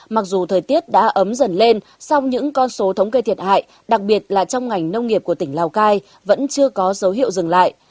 mặc dù thời tiết đã ấm dần lên song những con số thống kê thiệt hại đặc biệt là trong ngành nông nghiệp của tỉnh lào cai vẫn chưa có dấu hiệu dừng lại